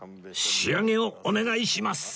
仕上げをお願いします